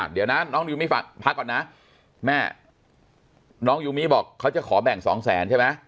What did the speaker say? เดี๋ยวนะน้องยูมี่พักก่อนนะแม่น้องยูมี่บอกเขาจะขอแบ่งสองแสนใช่ไหม